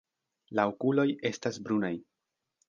La okuloj estas brunaj.